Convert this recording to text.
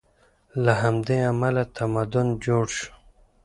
له همدې امله تمدن جوړ شو.